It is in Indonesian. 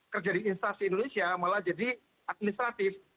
kerja di instansi indonesia malah jadi administratif